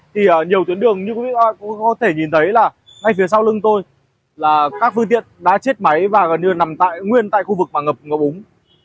thì nhiều tuyến đường như có thể nhìn thấy là ngay phía sau lưng tôi là các phương tiện đã chết máy và gần như nằm tại nguyên tại khu vực mà ngập ngập úng